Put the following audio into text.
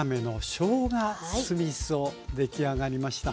出来上がりました。